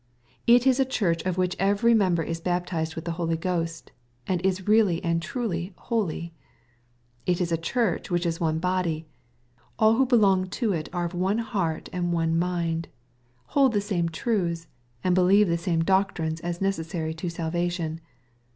It is a church of which every member is baptizedLHith the Holy Ghost, and is really and truly holy. It is a church which ig one body. All who belong to it are of one heart and one mind, hold the same truths, and believe the same doctrines as necessary to salvation.